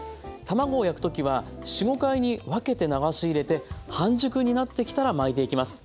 卵を焼く時は４５回に分けて流し入れて半熟になってきたら巻いていきます。